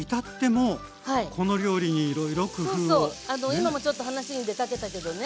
今もちょっと話に出かけたけどね